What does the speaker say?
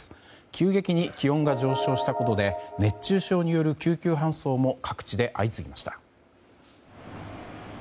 急激に気温が上昇したことで熱中症による救急搬送も各地で相次ぎました。